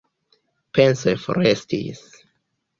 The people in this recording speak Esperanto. Pensoj forestis.